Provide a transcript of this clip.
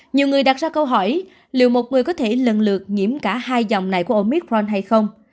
nhiều người đặt ra câu hỏi liệu một người có thể lần lượt nhiễm cả hai dòng này của omithron hay không